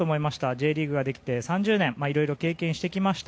Ｊリーグができて３０年いろいろ経験してきました。